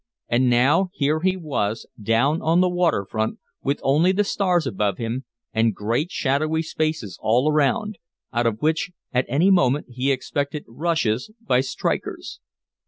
And now here he was down on the waterfront with only the stars above him and great shadowy spaces all around, out of which at any moment he expected rushes by strikers.